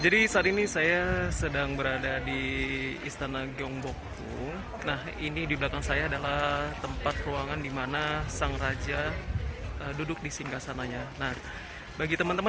di sini anda bisa mencari harga yang berbeda